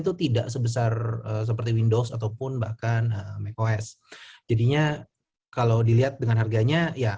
itu tidak sebesar seperti windows ataupun bahkan make os jadinya kalau dilihat dengan harganya ya